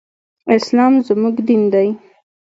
اسلام زموږ دين دی.